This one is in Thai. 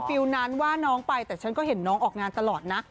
ฟิลลนั้นว่าน้องไปแต่ฉันก็เห็นน้องออกงานตลอดนะ